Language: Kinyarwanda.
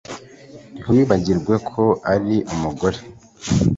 Ntiwibagirwe ko ari umugore